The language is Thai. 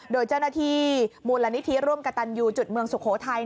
โดยเจ้าหน้าที่มูลนิธิร่วมกระตันยูจุดเมืองสุโขทัย